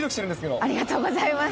ありがとうございます。